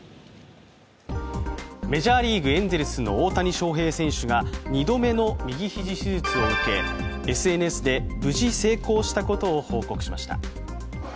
メジャーリーグ、エンゼルスの大谷翔平選手が２度目の右肘手術を受け、ＳＮＳで無事成功したことを報告しました。